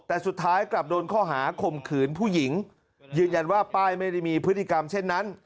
แต่สุดท้ายกลับโดนข้อหาข่มขืนผู้หญิงยืนยันว่าป้ายไม่ได้มีพฤติกรรมเช่นนั้น